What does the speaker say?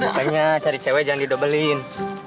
makanya cari cewek jangan didobelin